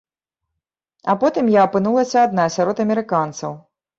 А потым я апынулася адна сярод амерыканцаў.